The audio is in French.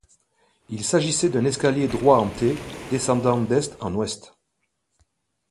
Il s'agissait d'un escalier droit en T descendant d'est en ouest.